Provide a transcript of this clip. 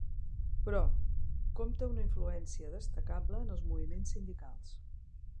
Però, compta una influència destacable en els moviments sindicals.